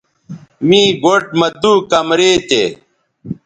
می گوٹھ مہ دُو کمرے تھے